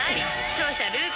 勝者ルーク！」